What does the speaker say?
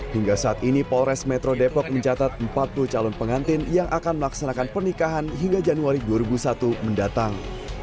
hingga saat ini polres metro depok mencatat empat puluh calon pengantin yang akan melaksanakan pernikahan hingga januari dua ribu satu mendatang